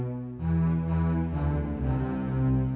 letakkan tautannya di dalam alat ini